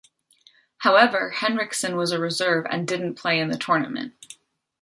However, Henriksen was a reserve, and didn't play in the tournament.